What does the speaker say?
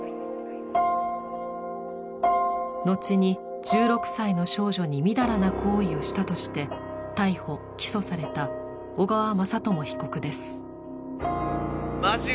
のちに１６歳の少女にみだらな行為をしたとして逮捕・起訴された小川雅朝被告です。